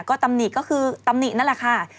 ก็ตำหนิก็คือตำหนินั่นแหละค่ะ